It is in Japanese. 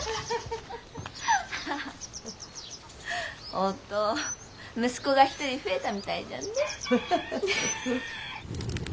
おとう息子が１人増えたみたいじゃんね。